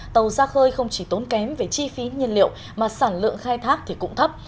tàu ra khơi không chỉ tốn kém về chi phí nhiên liệu mà sản lượng khai thác thì cũng thấp